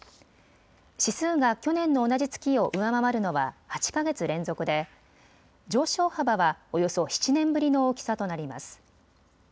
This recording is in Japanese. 指数が去年の同じ月を上回るのは８か月連続で上昇幅はおよそ７年ぶりの大きさとなります。